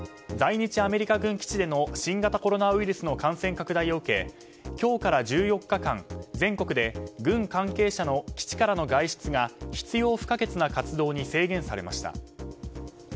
在日アメリカ軍基地での新型コロナウイルスの感染拡大を受け今日から１４日間全国で軍関係者の基地からの外出が必要不可欠な活動に制限されました。